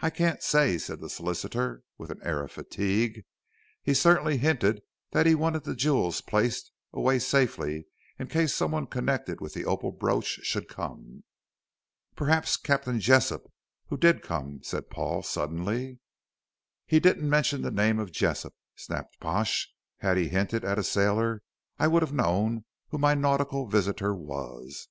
"I can't say," said the solicitor, with an air of fatigue. "He certainly hinted that he wanted the jewels placed away safely in case someone connected with the opal brooch should come." "Perhaps Captain Jessop, who did come," said Paul, suddenly. "He didn't mention the name of Jessop," snapped Pash. "Had he hinted at a sailor I would have known who my nautical visitor was."